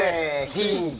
ヒント！